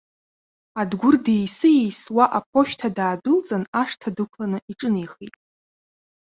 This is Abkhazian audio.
Адгәыр деиси-еисиуа аԥошьҭа даадәылҵын, ашҭа дықәланы иҿынеихеит.